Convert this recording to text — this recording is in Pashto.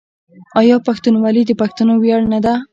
آیا پښتونولي د پښتنو ویاړ نه ده؟